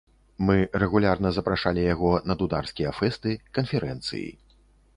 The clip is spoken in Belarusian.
Мы рэгулярна запрашалі яго на дударскія фэсты, канферэнцыі.